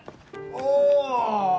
ああ！